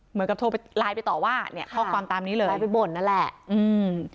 เหมือนกับโทรไปไลน์ไปต่อว่าเนี้ยข้อความตามนี้เลยไปบ่นนั่นแหละอืม